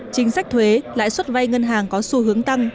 chính sách thuế lãi suất vay ngân hàng có xu hướng tăng